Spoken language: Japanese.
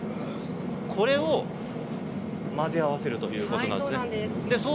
これを混ぜ合わせるということなんですね。